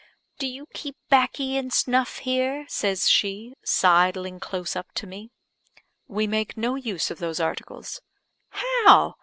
"Do you keep backy and snuff here?" says she, sideling close up to me. "We make no use of those articles." "How!